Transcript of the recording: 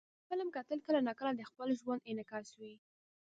د فلم کتل کله ناکله د خپل ژوند انعکاس وي.